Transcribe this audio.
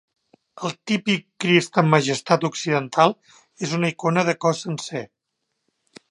El típic Crist en Majestat occidental és una icona de cos sencer.